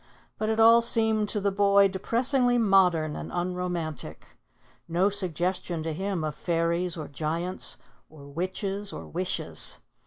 But it all seemed to the boy depressingly modern and unromantic. No suggestion to him of fairies or giants or witches or wishes.